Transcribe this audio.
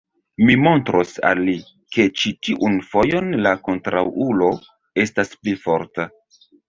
Mi montros al li, ke ĉi tiun fojon la kontraŭulo estas pli forta.